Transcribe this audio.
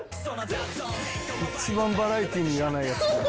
一番バラエティーにいらないヤツやん。